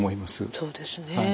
そうですね。